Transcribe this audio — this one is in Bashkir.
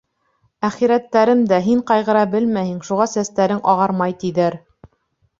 Әхирәттәрем дә, һин ҡайғыра белмәйһең, шуға сәстәрең ағармай, тиҙәр.